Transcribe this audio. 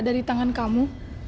dari tangan kamu